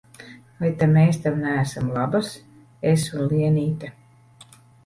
Vai ta mēs tev neesam labas, es un Lienīte?